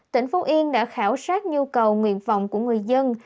tỉnh phú yên đã khảo sát nhu cầu nguyện phòng của người dân